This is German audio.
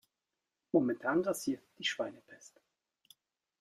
Momentan grassiert die Schweinepest.